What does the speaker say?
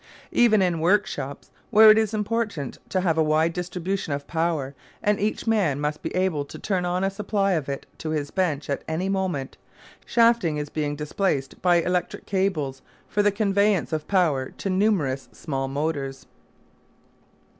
Even in workshops where it is important to have a wide distribution of power and each man must be able to turn on a supply of it to his bench at any moment shafting is being displaced by electric cables for the conveyance of power to numerous small motors.